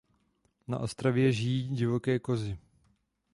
Na ostrově žijí divoké kozy.